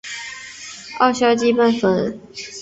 二硝基苯酚